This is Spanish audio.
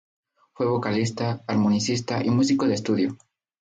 Fue vocalista, armonicista y músico de estudio.